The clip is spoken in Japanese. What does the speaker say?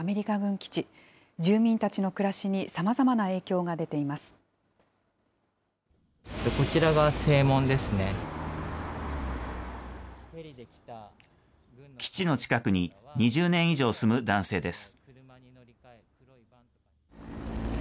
基地の近くに２０年以上住む男性です。